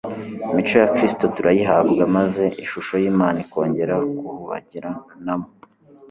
Imico ya Kristo turayihabwa maze ishusho y'Imana ikongera kuhubagiranamo.